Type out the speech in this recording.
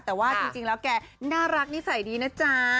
แต่ว่าจริงแล้วแกน่ารักนิสัยดีนะจ๊ะ